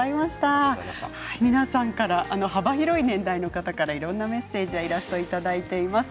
皆さんから幅広い年代の方からいろいろなメッセージ、イラストをいただいています。